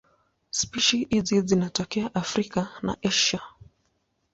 Spishi hizi zinatokea Afrika na Asia.